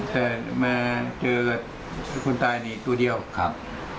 แต่มาเจอกับคนตายนี่ตัวเดียวครับ